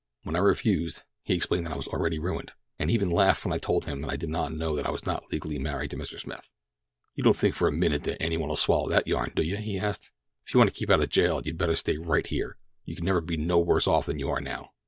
When I refused, he explained that I was already ruined, and even laughed when I told him that I did not know that I was not legally married to Mr. Smith. 'You don't think for a minute that any one'll swallow that yarn, do you?' he asked. 'If you want to keep out of jail you'd better stay right here—you can't never be no worse off than you are now.'